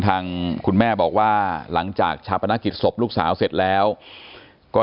ทางคุณแม่บอกว่าหลังจากชาปนกิจศพลูกสาวเสร็จแล้วก็